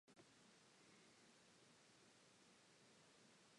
He has trained Contrail the Japanese Triple Crown Horse.